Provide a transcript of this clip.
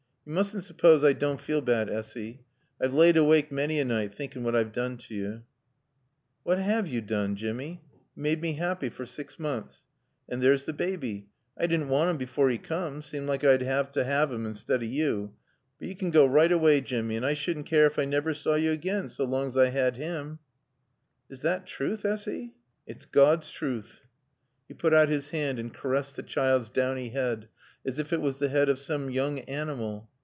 "Yo' moosn' suppawse I dawn feel baad, Essy. I've laaid awaake manny a night, thinkin' what I've doon t'yo'." "What 'ave yo' doon, Jimmy? Yo' maade mae 'appy fer sex moonths. An' there's t' baaby. I didn' want 'im before 'e coom seemed like I'd 'ave t' 'ave 'im stead o' yo'. But yo' can goa right awaay, Jimmy, an' I sudn' keer ef I navver saw yo' again, so long's I 'ad 'im." "Is thot truth, Essy?" "It's Gawd's truth." He put out his hand and caressed the child's downy head as if it was the head of some young animal.